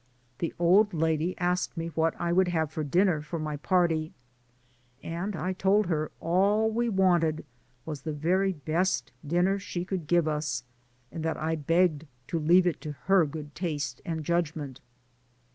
The old lady asked me what I would have for dinner for my party, and I told her all we wanted was the very best dinner she could give us, and that I begged to leave it to her good taste and judgment.